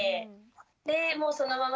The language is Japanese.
でもうそのまま